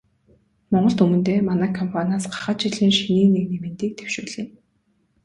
Монгол түмэндээ манай компаниас гахай жилийн шинийн нэгний мэндийг дэвшүүлье.